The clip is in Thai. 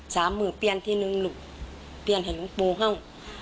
สามมือเปลี่ยนทีหนึ่งเปลี่ยนให้ลุงปุ้ข้า